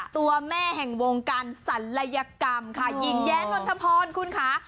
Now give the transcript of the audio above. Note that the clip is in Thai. ตัวแม่แห่งวงการศัลยกรรมค่ะหญิงแย้นนทพรคุณค่ะ